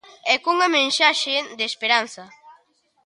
E cunha mensaxe de esperanza.